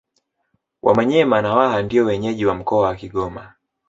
Wamanyema na Waha ndio wenyeji wa mkoa wa Kigoma